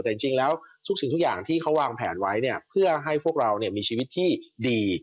แต่จริงแล้วทุกสิ่งทุกอย่างที่เขาวางแผนไว้เนี่ยเพื่อให้พวกเรามีชีวิตที่ดี